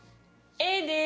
Ａです。